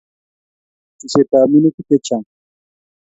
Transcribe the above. Kesishet ab minutik Che Chang